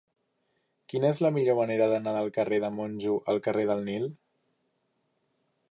Quina és la millor manera d'anar del carrer de Monjo al carrer del Nil?